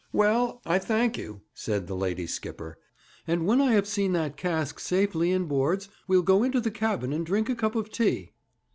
'Well, I thank you,' said the lady skipper; 'and when I have seen that cask safely inboards, we'll go into the cabin and drink a cup of tea.'